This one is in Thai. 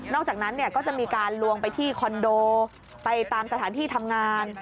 อกจากนั้นก็จะมีการลวงไปที่คอนโดไปตามสถานที่ทำงาน